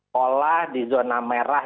kolah di zona merah